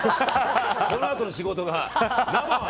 このあとの仕事が、生は。